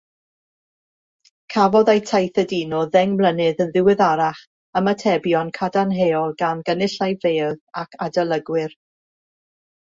Cafodd eu taith aduno ddeng mlynedd yn ddiweddarach ymatebion cadarnhaol gan gynulleidfaoedd ac adolygwyr.